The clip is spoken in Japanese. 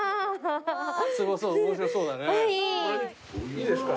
いいですか？